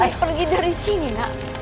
saya pergi dari sini nak